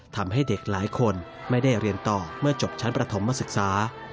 ทำให้เด็กหลายคนไม่ได้เรียนต่อเมื่อจบชั้นประถมมาศึกษา